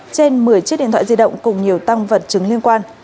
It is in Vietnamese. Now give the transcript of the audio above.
trên một mươi chiếc điện thoại di động cùng nhiều tăng vật chứng liên quan